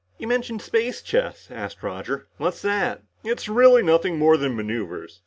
"You mentioned space chess," asked Roger. "What's that?" "It's really nothing more than maneuvers.